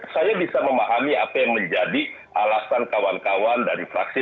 saya bisa memahami apa yang menjadi alasan kawan kawan dari fraksi